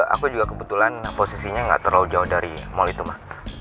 aku juga kebetulan posisinya gak terlalu jauh dari mall itu mbak